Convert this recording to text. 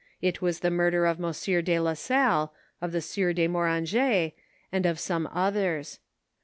It was the murder of Monsieur de la Salle, of the sieur de Moranget, and of some others.